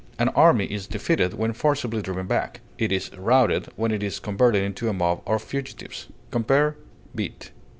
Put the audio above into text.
An army is defeated when forcibly driven back; it is routed when it is converted into a mob of fugitives. Compare BEAT.